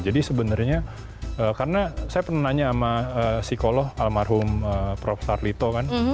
jadi sebenarnya karena saya pernah nanya sama psikolog almarhum prof sarlito kan